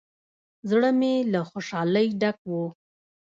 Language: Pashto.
زړه مې له خوشالۍ ډک و.